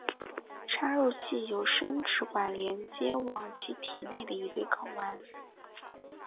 插入器有生殖管连接往其体内的一对睾丸。